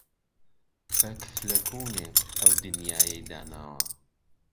به کفله کوونێک ئەو دنیایەی داناوه